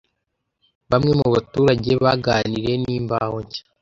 Bamwe mu baturage baganiriye n’Imvaho Nshya